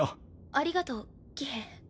ありがとう喜兵衛。